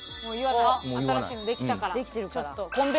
新しいのできたから。